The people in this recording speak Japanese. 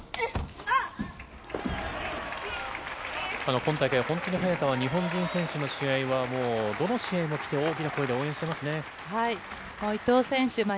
今大会は本当に早田は、日本人選手の試合はどの試合も来て大きな声で応援してますね。